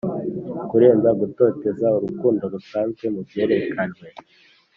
kurenza gutoteza urukundo rudasanzwe mubyerekanwe.